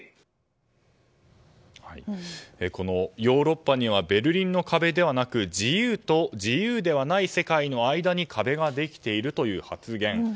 ヨーロッパにはベルリンの壁ではなく自由と自由ではない世界の間に壁ができているという発言。